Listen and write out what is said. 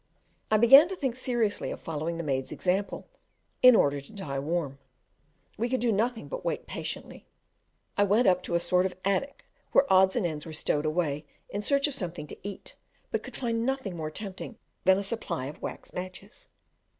I began to think seriously of following the maids example, in order to "die warm." We could do nothing but wait patiently. I went up to a sort of attic where odds and ends were stowed away, in search of something to eat, but could find nothing more tempting than a supply of wax matches.